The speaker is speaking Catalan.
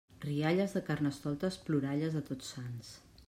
Rialles de Carnestoltes, ploralles de Tots Sants.